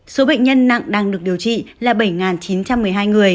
số bệnh nhân nặng đang được điều trị là bảy chín trăm một mươi hai người